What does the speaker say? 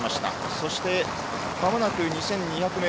そしてまもなく２２００ｍ。